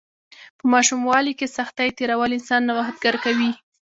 په ماشوموالي کې سختۍ تیرول انسان نوښتګر کوي.